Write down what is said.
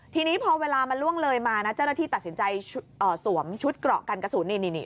ทีนี้พอเวลามันล่วงเลยมานะเจ้าหน้าที่ตัดสินใจสวมชุดเกราะกันกระสุน